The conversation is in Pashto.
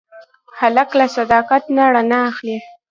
هلک له صداقت نه رڼا اخلي.